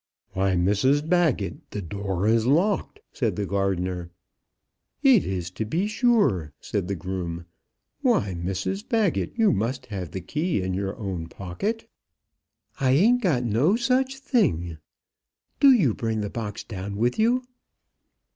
"Why, Mrs Baggett, the door is locked!" said the gardener. "It is, to be sure," said the groom. "Why, Mrs Baggett, you must have the key in your own pocket!" "I ain't got no such thing. Do you bring the box down with you."